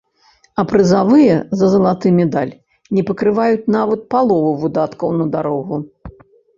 А прызавыя за залаты медаль не пакрываюць нават паловы выдаткаў на дарогу.